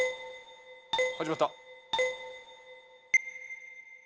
始まった。